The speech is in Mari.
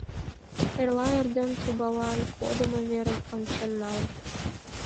Эрла эрден трубалан кодымо верым ончен нал.